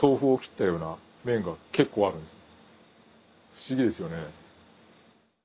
不思議ですよね。